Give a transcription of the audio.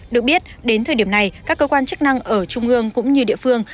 được biết đến thời điểm này các cơ quan chức năng ở trung ương cũng như địa phương